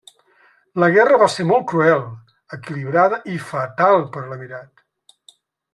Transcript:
La guerra va ser molt cruel, equilibrada i fatal per a l'emirat.